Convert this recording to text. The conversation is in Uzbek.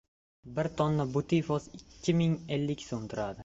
Bir tonna butifos ikki ming ellik so‘m turadi!